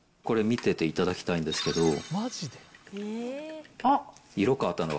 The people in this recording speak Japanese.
これ、見てていただきたいんですけど。